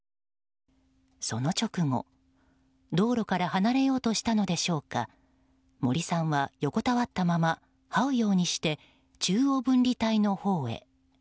その直後、道路から離れようとしたのでしょうか森さんは横たわったままはうようにして中央分離帯のほうへ。